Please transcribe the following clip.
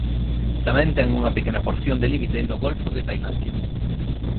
Tamén ten unha pequena porción de límite no Golfo de Tailandia.